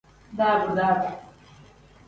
Dab-dab.